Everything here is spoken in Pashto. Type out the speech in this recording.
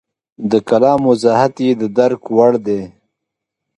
د کلام وضاحت یې د درک وړ دی.